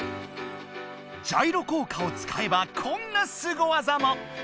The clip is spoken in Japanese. ジャイロ効果を使えばこんなスゴ技も。